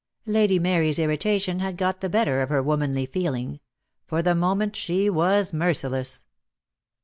Lady Mary's irritation had got the better of her womanly feeling. For the moment she was merciless.